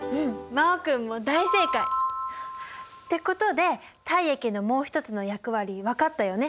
真旺君も大正解！ってことで体液のもう一つの役割分かったよね？